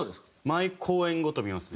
毎公演ごと見ますね。